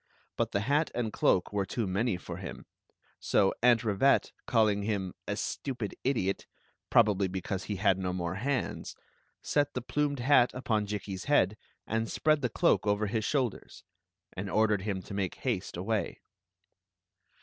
But the hat and cloak were too many for him. So Aunt Rivette, calling him "a stupid idiot," — probably because he had no more hands, — set the plumed hat upon Jikki's head and spread the ckw^ over his shoulders* and ordered him to make haste away.